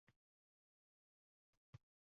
Lekin yuz-ko‘zini qonga bo‘yagan toshlar